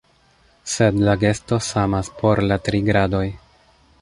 Sed la gesto samas por la tri gradoj.